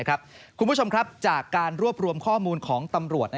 คุณผู้ชมครับจากการรวบรวมข้อมูลของตำรวจ